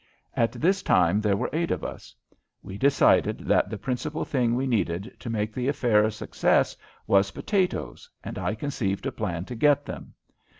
At this time there were eight of us. We decided that the principal thing we needed to make the affair a success was potatoes, and I conceived a plan to get them.